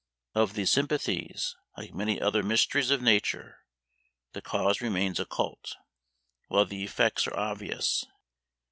Of these sympathies, like many other mysteries of nature, the cause remains occult, while the effects are obvious.